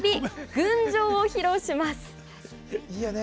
「群青」を披露します